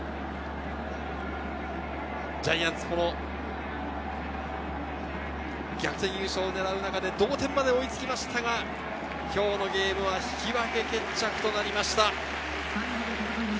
ジャイアンツ、この逆転優勝を狙う中で同点まで追いつきましたが、今日のゲームは引き分け決着となりました。